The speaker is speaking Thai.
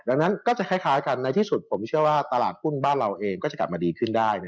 ดังนั้นก็จะคล้ายกันในที่สุดผมเชื่อว่าตลาดหุ้นบ้านเราเองก็จะกลับมาดีขึ้นได้